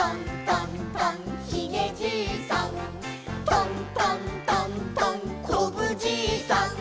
「トントントントンこぶじいさん」